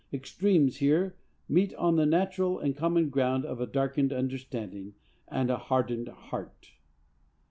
—extremes here meet on the natural and common ground of a darkened understanding and a hardened heart.